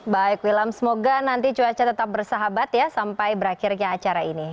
baik wilam semoga nanti cuaca tetap bersahabat ya sampai berakhirnya acara ini